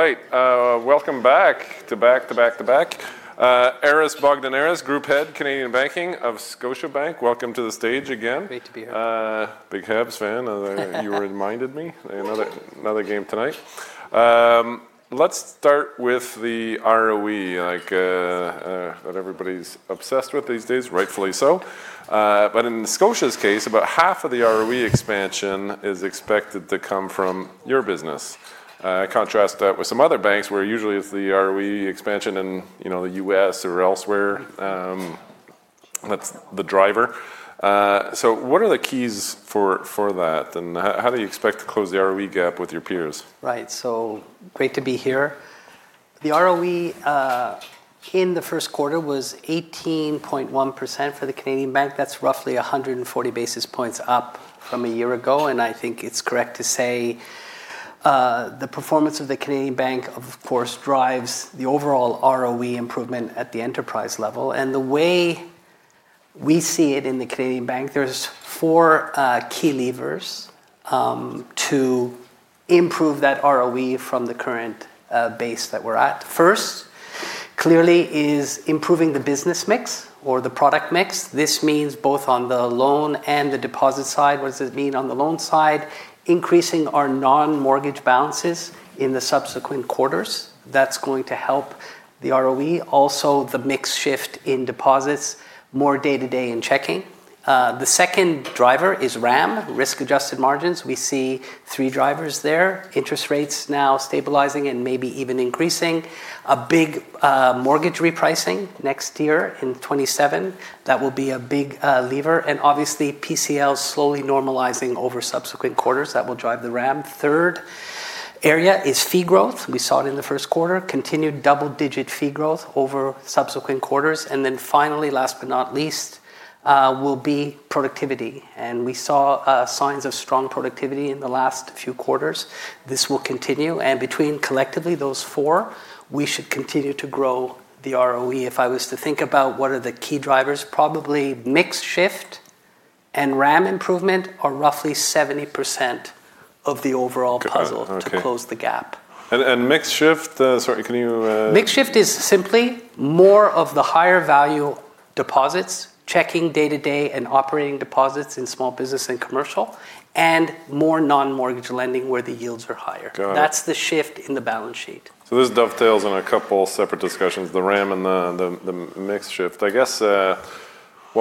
All right. Welcome back to back. Aris Bogdaneris, Group Head, Canadian Banking, Scotiabank, welcome to the stage again. Great to be here. Big Habs fan. You reminded me. Another game tonight. Let's start with the ROE, like, that everybody's obsessed with these days, rightfully so. In Scotia's case, about half of the ROE expansion is expected to come from your business. Contrast that with some other banks where usually it's the ROE expansion in, you know, the U.S. or elsewhere, that's the driver. What are the keys for that, and how do you expect to close the ROE gap with your peers? Right. Great to be here. The ROE in the first quarter was 18.1% for the Canadian bank. That's roughly 140 basis points up from a year ago, and I think it's correct to say the performance of the Canadian bank, of course, drives the overall ROE improvement at the enterprise level. The way we see it in the Canadian bank, there's four key levers to improve that ROE from the current base that we're at. First, clearly is improving the business mix or the product mix. This means both on the loan and the deposit side. What does it mean on the loan side? Increasing our non-mortgage balances in the subsequent quarters, that's going to help the ROE. Also, the mix shift in deposits, more day-to-day in checking. The second driver is RAM, risk-adjusted margins. We see three drivers there. Interest rates now stabilizing and maybe even increasing. A big mortgage repricing next year in 2027. That will be a big lever. Obviously, PCL slowly normalizing over subsequent quarters. That will drive the RAM. Third area is fee growth. We saw it in the first quarter. Continued double-digit fee growth over subsequent quarters. Finally, last but not least, will be productivity. We saw signs of strong productivity in the last few quarters. This will continue. Between collectively those four, we should continue to grow the ROE. If I was to think about what are the key drivers, probably mix shift and RAM improvement are roughly 70% of the overall puzzle- Okay. to close the gap. Sorry, can you? Mix shift is simply more of the higher value deposits, checking day-to-day and operating deposits in small business and commercial, and more non-mortgage lending where the yields are higher. Got it. That's the shift in the balance sheet. This dovetails on a couple separate discussions, the RAM and the mix shift. I guess, well,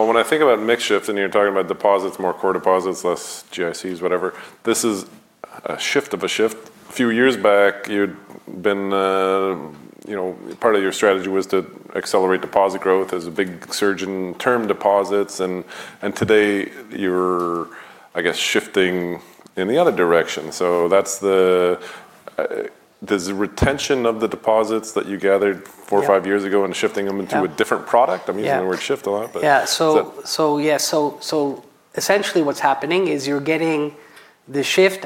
when I think about mix shift, and you're talking about deposits, more core deposits, less GICs, whatever, this is a shift of a shift. A few years back, you'd been, you know, part of your strategy was to accelerate deposit growth. There was a big surge in term deposits and today you're, I guess, shifting in the other direction. That's the retention of the deposits that you gathered four or five years ago and shifting them into a different product. Yeah. I'm using the word shift a lot, but. Yeah. Is it- Yeah. Essentially what's happening is you're getting the shift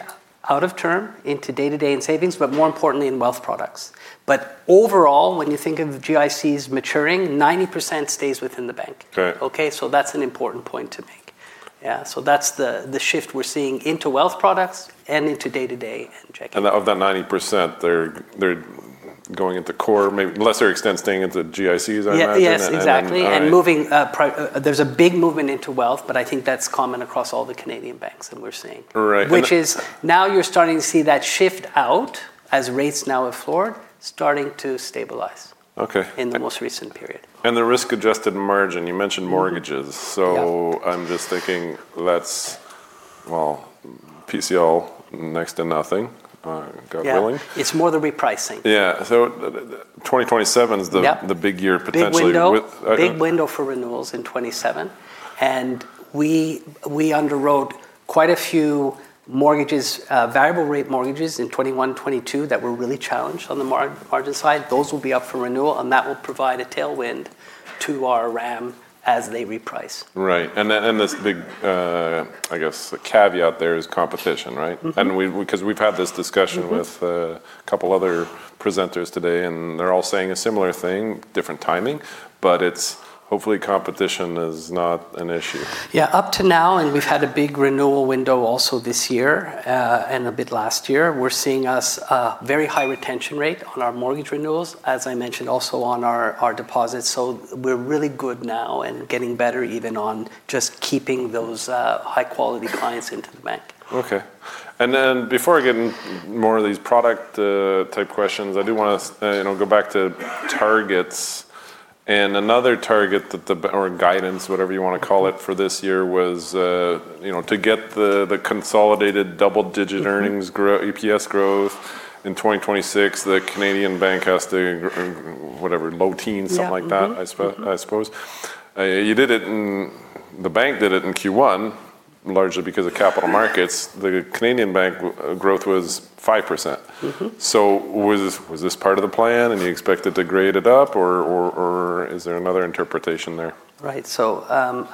out of term into day-to-day and savings, but more importantly in wealth products. Overall, when you think of the GICs maturing, 90% stays within the bank. Correct. Okay? That's an important point to make. Yeah. That's the shift we're seeing into wealth products and into day-to-day and checking. Of that 90%, they're going into core, maybe lesser extent staying into GICs, I imagine. Yeah. Yes, exactly. All right. There's a big movement into wealth, but I think that's common across all the Canadian banks that we're seeing. Right. Which is now you're starting to see that shift out as rates now have floored, starting to stabilize in the most recent period. The risk-adjusted margin, you mentioned mortgages. Mm-hmm. Yeah. I'm just thinking that's, well, PCL next to nothing, God willing. Yeah. It's more the repricing. The 2027 is the- Yep. the big year potentially with Big window. Yeah. Big window for renewals in 2027. We underwrote quite a few mortgages, variable rate mortgages in 2021, 2022 that were really challenged on the margin side. Those will be up for renewal, and that will provide a tailwind to our RAM as they reprice. Right. This big, I guess, caveat there is competition, right? Mm-hmm. 'Cause we've had this discussion. Mm-hmm. with a couple other presenters today, and they're all saying a similar thing, different timing, but hopefully competition is not an issue. Yeah. Up to now, we've had a big renewal window also this year and a bit last year. We're seeing a very high retention rate on our mortgage renewals, as I mentioned also on our deposits. We're really good now and getting better even on just keeping those high quality clients into the bank. Okay. Before I get in more of these product type questions, I do wanna you know, go back to targets. Another target or guidance, whatever you wanna call it, for this year was you know, to get the consolidated double digit earnings grow EPS growth. In 2026, the Canadian bank has to whatever, low teens. Yeah. Mm-hmm. -something like that, I supp- Mm-hmm. I suppose. The bank did it in Q1, largely because of capital markets. The Canadian bank growth was 5%. Mm-hmm. Was this part of the plan and you expect it to grade it up or is there another interpretation there? I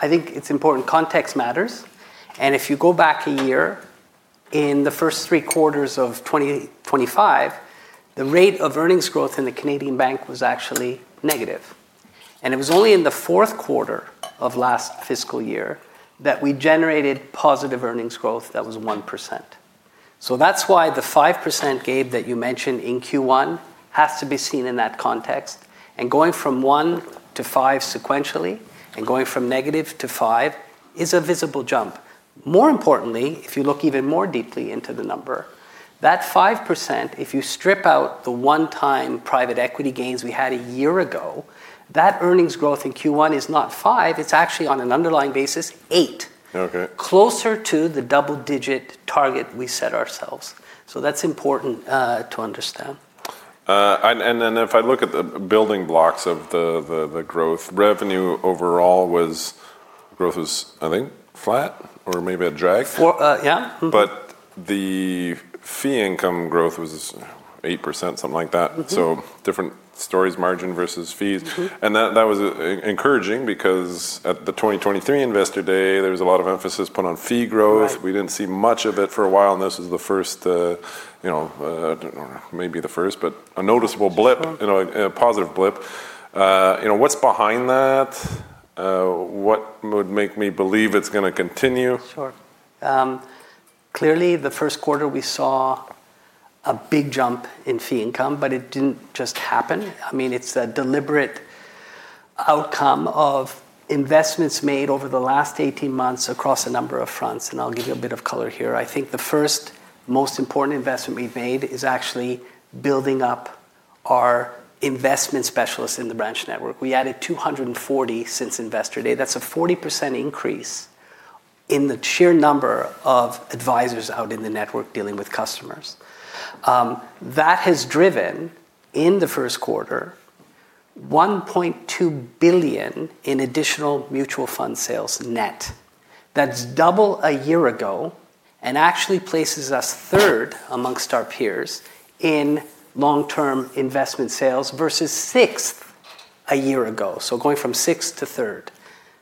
think it's important. Context matters. If you go back a year, in the first three quarters of 2025, the rate of earnings growth in the Canadian bank was actually negative. It was only in the fourth quarter of last fiscal year that we generated positive earnings growth that was 1%. That's why the 5%, Gabe, that you mentioned in Q1 has to be seen in that context. Going from 1%-5% sequentially and going from negative to 5% is a visible jump. More importantly, if you look even more deeply into the number, that 5%, if you strip out the one-time private equity gains we had a year ago, that earnings growth in Q1 is not 5%, it's actually on an underlying basis, 8%. Okay. Closer to the double-digit target we set ourselves. That's important to understand. If I look at the building blocks of the growth was, I think, flat or maybe a drag. Well, yeah. Mm-hmm. But the fee income growth was 8%, something like that. Mm-hmm. Different stories, margin versus fees. Mm-hmm. That was encouraging because at the 2023 Investor Day, there was a lot of emphasis put on fee growth. Right. We didn't see much of it for a while, and this was the first, you know, maybe the first, but a noticeable blip, you know, a positive blip. You know, what's behind that? What would make me believe it's gonna continue? Sure. Clearly, the first quarter we saw a big jump in fee income, but it didn't just happen. I mean, it's a deliberate outcome of investments made over the last 18 months across a number of fronts, and I'll give you a bit of color here. I think the first most important investment we've made is actually building up our investment specialists in the branch network. We added 240 since Investor Day. That's a 40% increase in the sheer number of advisors out in the network dealing with customers. That has driven, in the first quarter, 1.2 billion in additional mutual fund sales net. That's double a year ago and actually places us third amongst our peers in long-term investment sales versus sixth a year ago. Going from sixth to third.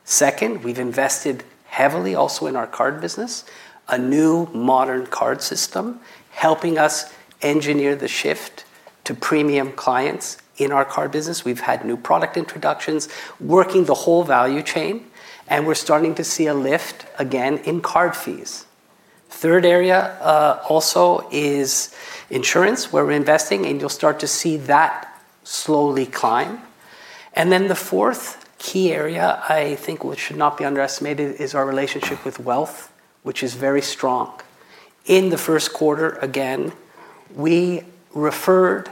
Second, we've invested heavily also in our card business, a new modern card system, helping us engineer the shift to premium clients in our card business. We've had new product introductions, working the whole value chain, and we're starting to see a lift again in card fees. Third area, also is insurance, where we're investing, and you'll start to see that slowly climb. The fourth key area, I think which should not be underestimated, is our relationship with wealth, which is very strong. In the first quarter, again, we referred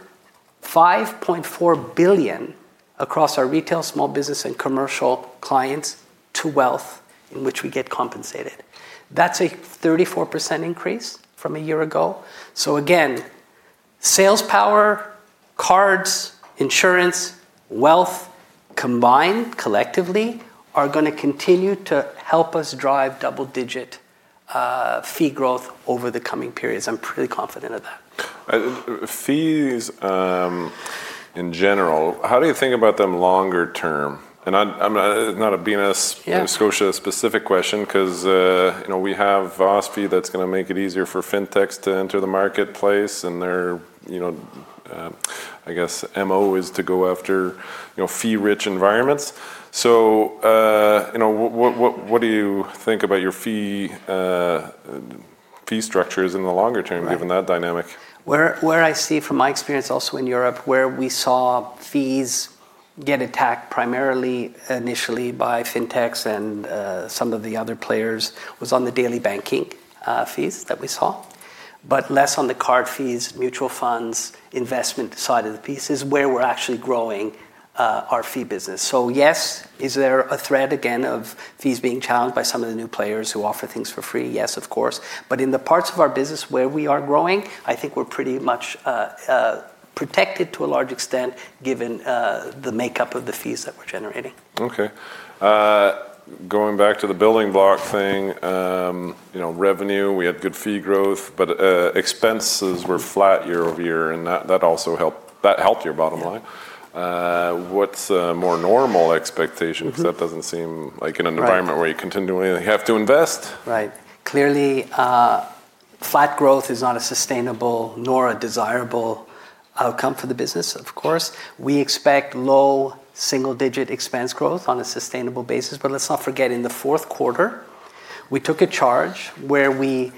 5.4 billion across our retail, small business, and commercial clients to wealth in which we get compensated. That's a 34% increase from a year ago. Again, sales power, cards, insurance, wealth combined collectively are gonna continue to help us drive double-digit fee growth over the coming periods. I'm pretty confident of that. Fees, in general, how do you think about them longer term? I'm not a BNS- Yeah... Nova Scotia-specific question 'cause, you know, we have OSFI that's gonna make it easier for fintechs to enter the marketplace, and their, you know, I guess, MO is to go after, you know, fee-rich environments. You know, what do you think about your fee structures in the longer term? Right... given that dynamic? I see from my experience also in Europe, where we saw fees get attacked primarily initially by fintechs and some of the other players was on the daily banking fees that we saw, but less on the card fees, mutual funds, investment side of the pieces, where we're actually growing our fee business. Yes, is there a threat again of fees being challenged by some of the new players who offer things for free? Yes, of course. But in the parts of our business where we are growing, I think we're pretty much protected to a large extent given the makeup of the fees that we're generating. Okay. Going back to the building block thing, you know, revenue, we had good fee growth, but expenses were flat year over year, and that also helped your bottom line. Yeah. What's a more normal expectation Mm-hmm 'cause that doesn't seem like an environment. Right where you continually have to invest. Right. Clearly, flat growth is not a sustainable nor a desirable outcome for the business, of course. We expect low single-digit expense growth on a sustainable basis. Let's not forget, in the fourth quarter, we took a charge where we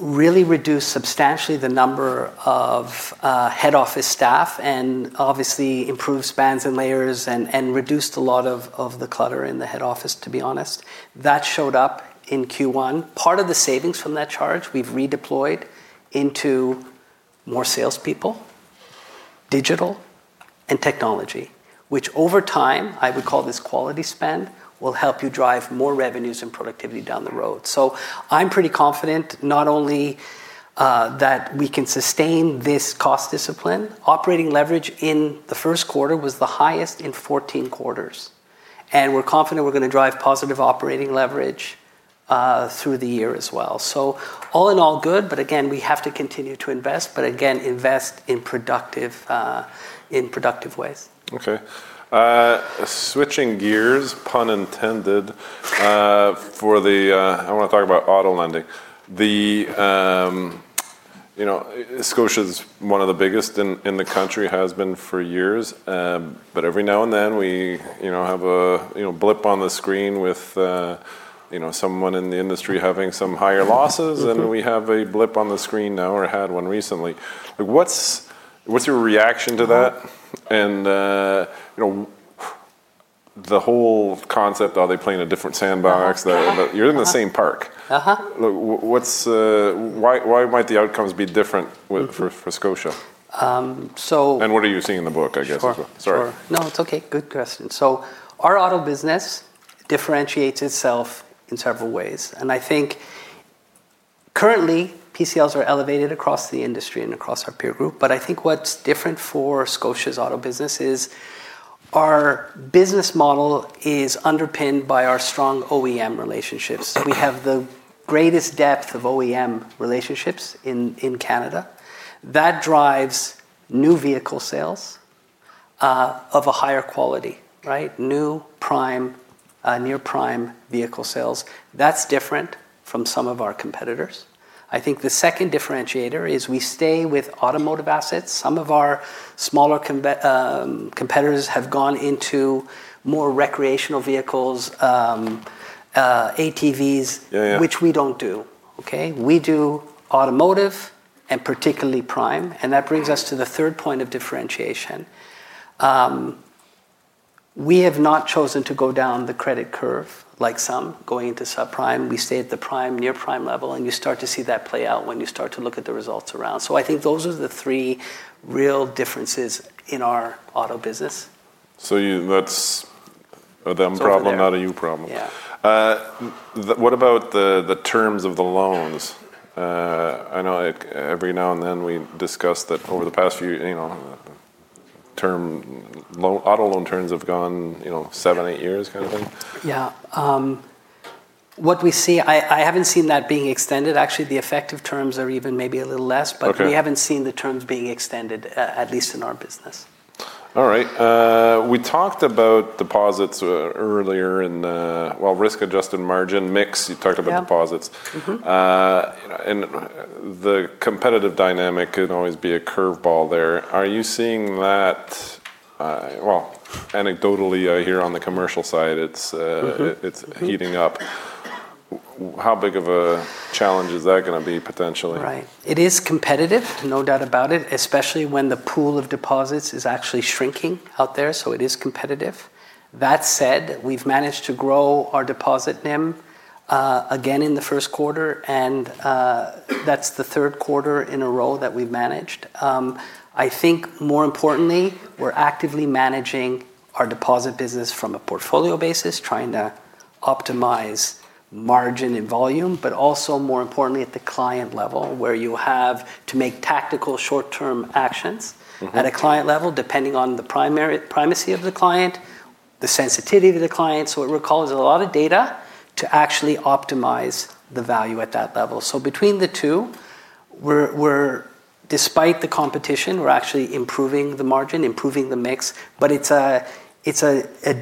really reduced substantially the number of head office staff and obviously improved spans and layers and reduced a lot of the clutter in the head office, to be honest. That showed up in Q1. Part of the savings from that charge we've redeployed into more salespeople, digital, and technology, which over time, I would call this quality spend, will help you drive more revenues and productivity down the road. I'm pretty confident not only that we can sustain this cost discipline. Operating leverage in the first quarter was the highest in 14 quarters, and we're confident we're gonna drive positive operating leverage through the year as well. All in all good, but again, we have to continue to invest, but again, invest in productive ways. Okay. Switching gears, pun intended, for the I wanna talk about auto lending. The you know Scotia's one of the biggest in the country, has been for years. Every now and then we you know have a you know blip on the screen with you know someone in the industry having some higher losses. Mm-hmm. We have a blip on the screen now, or had one recently. Like, what's your reaction to that? You know, the whole concept, are they playing a different sandbox? Uh-huh. You're in the same park. Uh-huh. Why might the outcomes be different? Mm-hmm with for Scotia? Um, so- What are you seeing in the book, I guess? Sure. Sorry. Sure. No, it's okay. Good question. Our auto business differentiates itself in several ways, and I think currently PCLs are elevated across the industry and across our peer group. I think what's different for Scotia's auto business is our business model is underpinned by our strong OEM relationships. We have the greatest depth of OEM relationships in Canada. That drives new vehicle sales of a higher quality, right? New prime, near prime vehicle sales. That's different from some of our competitors. I think the second differentiator is we stay with automotive assets. Some of our smaller competitors have gone into more recreational vehicles, ATVs- Yeah, yeah.... which we don't do, okay? We do automotive and particularly prime, and that brings us to the third point of differentiation. We have not chosen to go down the credit curve like some, going into subprime. We stay at the prime, near prime level, and you start to see that play out when you start to look at the results around. I think those are the three real differences in our auto business. That's a their problem. It's over there. Not a you problem. Yeah. What about the terms of the loans? I know, like, every now and then we discuss that over the past few, you know, term loan auto loan terms have gone, you know, seven-eight years kind of thing. Yeah. What we see, I haven't seen that being extended. Actually, the effective terms are even maybe a little less. Okay. We haven't seen the terms being extended, at least in our business. All right. We talked about deposits. Well, risk-adjusted margin mix. You talked about deposits. Yep. Mm-hmm. The competitive dynamic can always be a curveball there. Are you seeing that? Well, anecdotally, I hear on the commercial side it's Mm-hmm It's heating up. How big of a challenge is that gonna be potentially? Right. It is competitive, no doubt about it, especially when the pool of deposits is actually shrinking out there. It is competitive. That said, we've managed to grow our deposit NIM again in the first quarter, and that's the third quarter in a row that we've managed. I think more importantly, we're actively managing our deposit business from a portfolio basis, trying to optimize margin and volume. Also more importantly at the client level, where you have to make tactical short-term actions. Mm-hmm At a client level depending on the primary, primacy of the client, the sensitivity to the client. It requires a lot of data to actually optimize the value at that level. Between the two, despite the competition, we're actually improving the margin, improving the mix, but it's a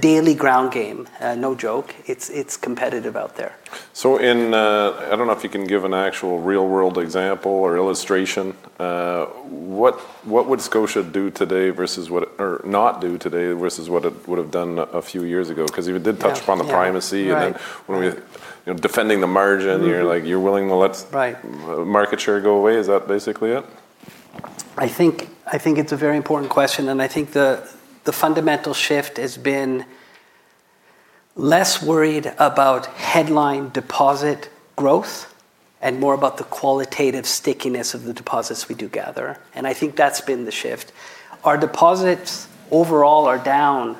daily ground game. No joke. It's competitive out there. I don't know if you can give an actual real-world example or illustration. What would Scotia do today or not do today versus what it would've done a few years ago? 'Cause you did touch upon- Yeah the primacy. Yeah. Right. when we, you know, defending the margin. Mm-hmm... you're like, you're willing to let- Right market share go away. Is that basically it? I think it's a very important question, and I think the fundamental shift has been less worried about headline deposit growth and more about the qualitative stickiness of the deposits we do gather, and I think that's been the shift. Our deposits overall are down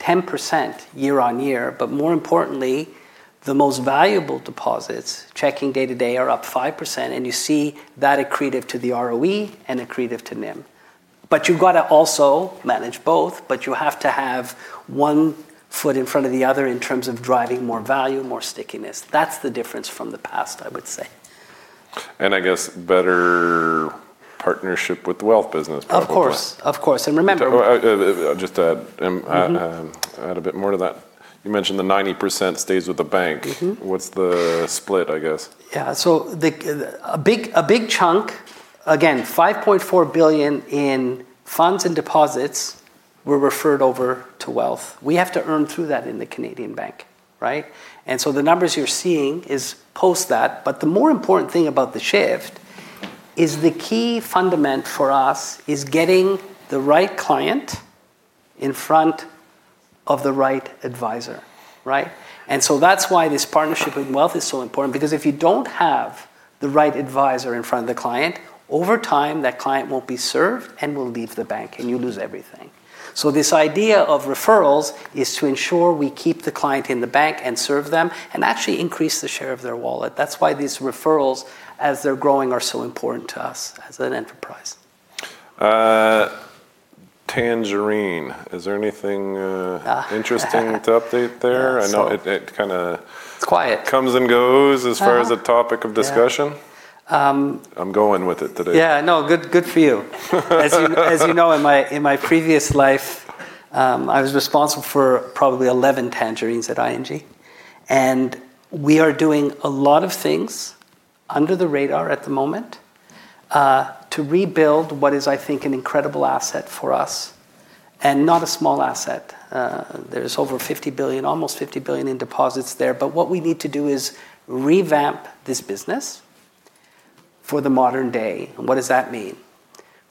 10% year-over-year, but more importantly, the most valuable deposits, checking day-to-day, are up 5%. You see that accretive to the ROE and accretive to NIM. You've got to also manage both, but you have to have one foot in front of the other in terms of driving more value, more stickiness. That's the difference from the past, I would say. I guess better partnership with the wealth business probably. Of course. Remember- Just to add. Mm-hmm... add a bit more to that. You mentioned the 90% stays with the bank. Mm-hmm. What's the split, I guess? Yeah. So a big chunk. Again, 5.4 billion in funds and deposits were referred over to wealth. We have to earn through that in the Canadian bank, right? The numbers you're seeing is post that. The more important thing about the shift is the key fundament for us is getting the right client in front of the right advisor, right? That's why this partnership with wealth is so important because if you don't have the right advisor in front of the client, over time that client won't be served and will leave the bank and you lose everything. This idea of referrals is to ensure we keep the client in the bank and serve them and actually increase the share of their wallet. That's why these referrals, as they're growing, are so important to us as an enterprise. Tangerine. Is there anything interesting to update there? So- I know it, it kinda- It's quiet. comes and goes as far as a topic of discussion. Um- I'm going with it today. Yeah, no, good for you. As you know, in my previous life, I was responsible for probably 11 Tangerine at ING, and we are doing a lot of things under the radar at the moment to rebuild what is, I think, an incredible asset for us, and not a small asset. There's over 50 billion, almost 50 billion in deposits there. What we need to do is revamp this business for the modern day. What does that mean?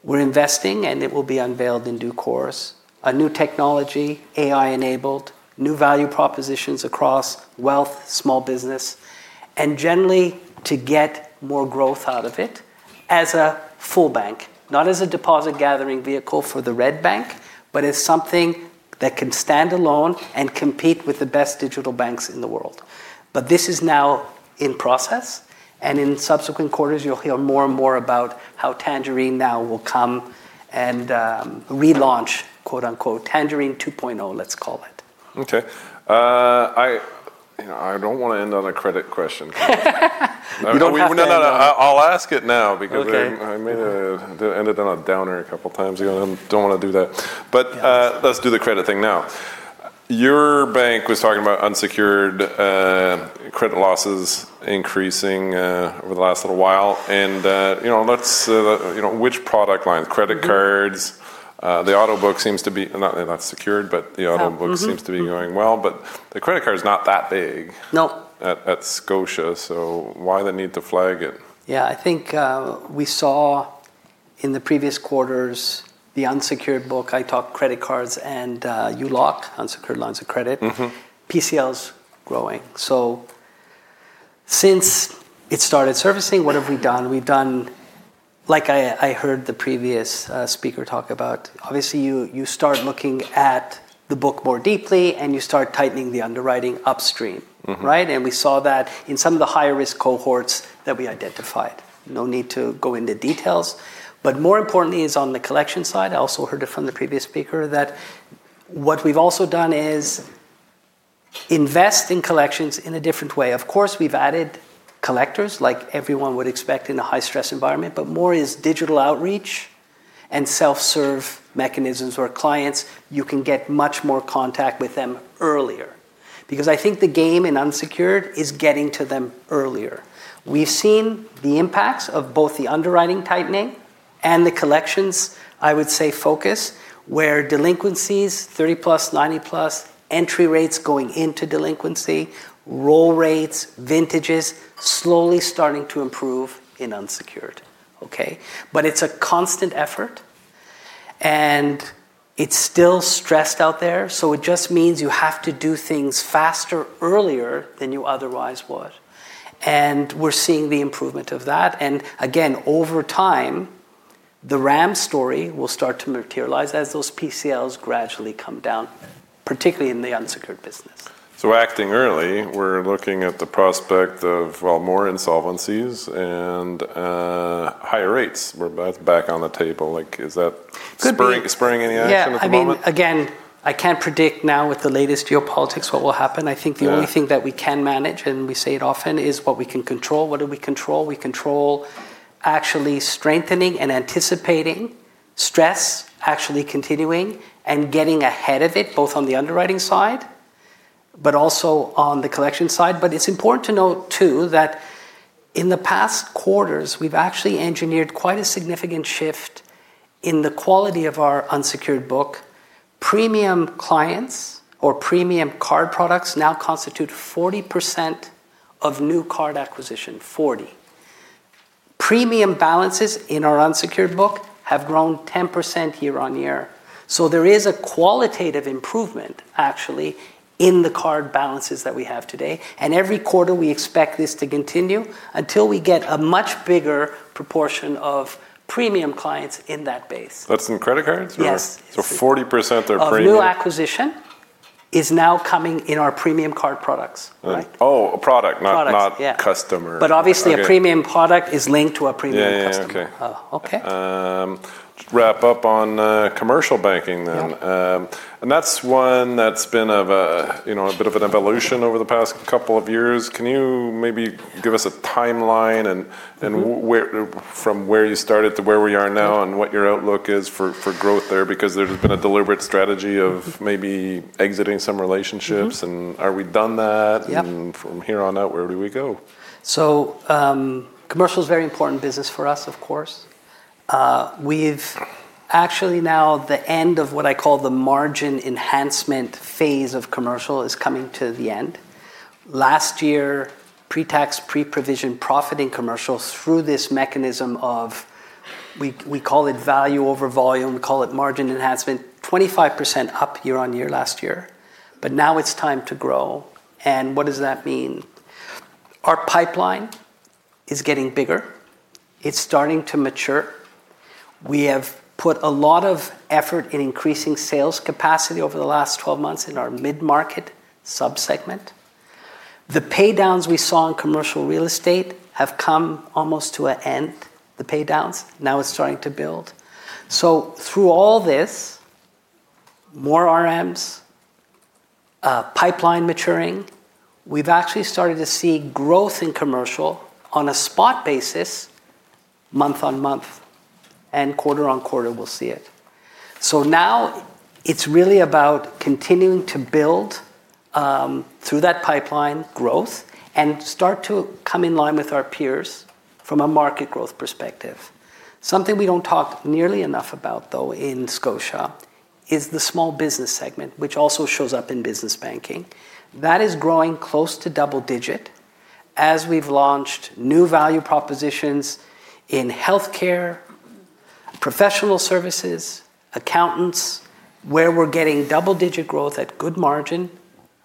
We're investing, and it will be unveiled in due course. A new technology, AI-enabled, new value propositions across wealth, small business, and generally to get more growth out of it as a full bank. Not as a deposit gathering vehicle for the retail bank, but as something that can stand alone and compete with the best digital banks in the world. This is now in process, and in subsequent quarters you'll hear more and more about how Tangerine now will come and relaunch, quote, unquote, "Tangerine 2.0," let's call it. Okay. You know, I don't wanna end on a credit question. We don't have to end on. No, no, I'll ask it now because. Okay I may have ended on a downer a couple times ago, and I don't wanna do that. Yeah Let's do the credit thing now. Your bank was talking about unsecured credit losses increasing over the last little while and, you know, which product lines? Mm-hmm. Credit cards. The auto book seems to be not secured. No, mm-hmm.... the auto book seems to be going well. The credit card is not that big- No at Scotia, why the need to flag it? Yeah. I think we saw in the previous quarters the unsecured book. I talked about credit cards and ULOC, unsecured lines of credit. Mm-hmm. PCLs growing. Since it started servicing, what have we done? We've done, like I heard the previous speaker talk about, obviously, you start looking at the book more deeply, and you start tightening the underwriting upstream, right? Mm-hmm. We saw that in some of the higher risk cohorts that we identified. No need to go into details. More importantly is on the collection side, I also heard it from the previous speaker, that what we've also done is invest in collections in a different way. Of course, we've added collectors like everyone would expect in a high-stress environment, but more is digital outreach and self-serve mechanisms where clients, you can get much more contact with them earlier. Because I think the game in unsecured is getting to them earlier. We've seen the impacts of both the underwriting tightening and the collections, I would say, focus, where delinquencies, 30+, 90+, entry rates going into delinquency, roll rates, vintages, slowly starting to improve in unsecured, okay? It's a constant effort, and it's still stressed out there, so it just means you have to do things faster, earlier than you otherwise would. We're seeing the improvement of that. Again, over time, the RAM story will start to materialize as those PCLs gradually come down, particularly in the unsecured business. Acting early, we're looking at the prospect of, well, more insolvencies and, higher rates. We're both back on the table. Like, is that- Could be.... spurring any action at the moment? Yeah. I mean, again, I can't predict now with the latest geopolitics what will happen. Yeah. I think the only thing that we can manage, and we say it often, is what we can control. What do we control? We control actually strengthening and anticipating stress, actually continuing and getting ahead of it, both on the underwriting side, but also on the collection side. It's important to note too, that in the past quarters, we've actually engineered quite a significant shift in the quality of our unsecured book. Premium clients or premium card products now constitute 40% of new card acquisition. 40. Premium balances in our unsecured book have grown 10% year-on-year. There is a qualitative improvement actually in the card balances that we have today. Every quarter, we expect this to continue until we get a much bigger proportion of premium clients in that base. That's in credit cards? Yes. 40% are premium. Our new acquisition is now coming in our premium card products. Right. Oh, a product, not. Product, yeah. not customer. Obviously. Okay A premium product is linked to a premium customer. Yeah, yeah. Okay. Okay. Wrap up on commercial banking then. Yeah. That's one that's been of a, you know, a bit of an evolution over the past couple of years. Can you maybe give us a timeline and- Mm-hmm From where you started to where we are now, and what your outlook is for growth there? Because there's been a deliberate strategy of maybe exiting some relationships. Mm-hmm. Are we done that? Yep. From here on out, where do we go? Commercial's very important business for us, of course. Actually now the end of what I call the margin enhancement phase of commercial is coming to the end. Last year, pre-tax, pre-provision profit in commercial through this mechanism of. We call it value over volume. We call it margin enhancement. 25% up year-on-year last year, but now it's time to grow. What does that mean? Our pipeline is getting bigger. It's starting to mature. We have put a lot of effort in increasing sales capacity over the last 12 months in our mid-market sub-segment. The paydowns we saw in commercial real estate have come almost to an end. The paydowns now is starting to build. Through all this, more RMs, pipeline maturing, we've actually started to see growth in commercial on a spot basis, month-on-month, and quarter-on-quarter, we'll see it. Now it's really about continuing to build through that pipeline growth and start to come in line with our peers from a market growth perspective. Something we don't talk nearly enough about, though, in Scotia is the small business segment, which also shows up in business banking. That is growing close to double-digit as we've launched new value propositions in healthcare, professional services, accountants, where we're getting double-digit growth at good margin,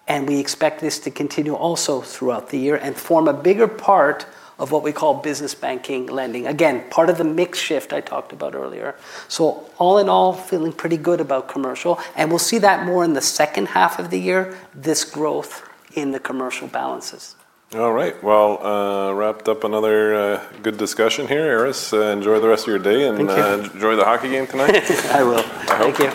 and we expect this to continue also throughout the year and form a bigger part of what we call business banking lending. Again, part of the mix shift I talked about earlier. All in all, feeling pretty good about commercial, and we'll see that more in the second half of the year, this growth in the commercial balances. All right. Well, wrapped up another good discussion here, Aris. Enjoy the rest of your day and- Thank you. Enjoy the hockey game tonight. I will. I hope. Thank you.